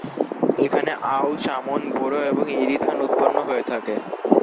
এখানে আউশ, আমন, বোরো এবং ইরি ধান উৎপন্ন হয়ে থাকে।